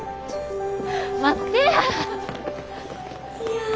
待ってやー！